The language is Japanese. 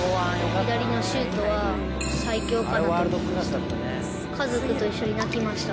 左のシュートは最強かなと思いました。